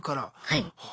はい。